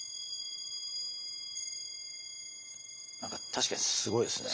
確かにすごいですね。